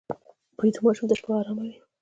ویده ماشوم ته شپه ارامه وي